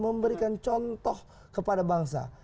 memberikan contoh kepada bangsa